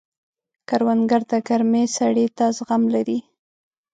کروندګر د ګرمۍ سړې ته زغم لري